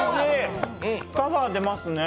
パワー出ますね。